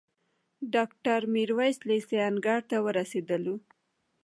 ډاکټر میرویس لېسې انګړ ته وروستلو.